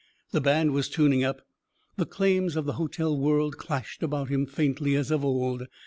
The band was tuning up. The claims of the hotel world clashed about him faintly as of old.